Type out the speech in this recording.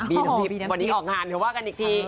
บีน้ำทิพย์วันนี้ออกงานเดี๋ยวกันอีกที